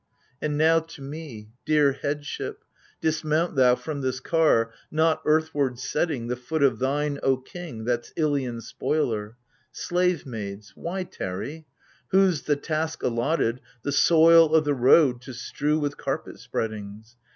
And now, to me— dear headship !— Dismount thou from this car, not earthward setting The foot of thine, O king, that's Dion's spoiler ! Slave maids, why tarry ?— whose the task allotted The soil o' the road to strew with carpet spreadings.